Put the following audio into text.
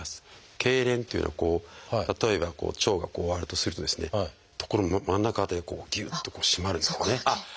けいれんっていうのは例えばこう腸がこうあるとするとですね真ん中辺りでこうぎゅっと締まるんですよね。